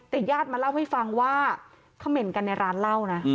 แต่ญาติมาเล่าให้ฟังว่าเขม่นกันในร้านเหล้านะ